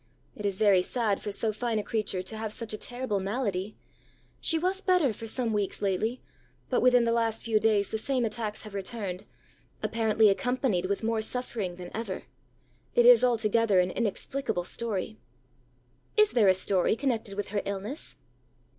It is very sad for so fine a creature to have such a terrible malady. She was better for some weeks lately, but within the last few days the same attacks have returned, apparently accompanied with more suffering than ever. It is altogether an inexplicable story.ã ãIs there a story connected with her illness?